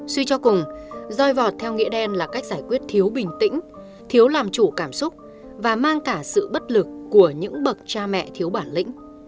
suy cho cùng roi vọt theo nghĩa đen là cách giải quyết thiếu bình tĩnh thiếu làm chủ cảm xúc và mang cả sự bất lực của những bậc cha mẹ thiếu bản lĩnh